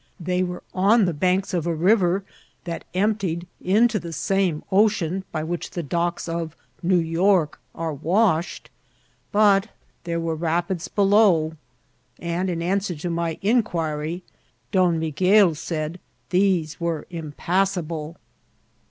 They were on the banks of a river that emptied into the same ocean by which the docks of New York are washed, but there were rapids below ; and, in answer to my inquiry, Don Miguel said these were impassable.